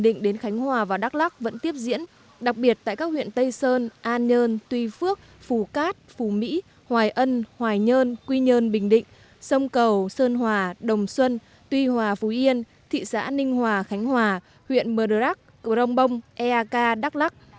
định đến khánh hòa và đắk lắc vẫn tiếp diễn đặc biệt tại các huyện tây sơn an nhơn tuy phước phù cát phù mỹ hoài ân hoài nhơn quy nhơn bình định sông cầu sơn hòa đồng xuân tuy hòa phú yên thị xã ninh hòa khánh hòa huyện mờ rắc grong bông eak đắk lắc